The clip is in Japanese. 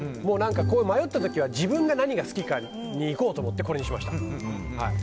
迷った時は、自分が何が好きかにいこうと思ってこれにしました。